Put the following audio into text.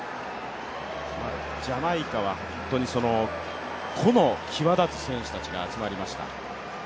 ジャマイカは本当に個の際立つ選手たちが集まりました。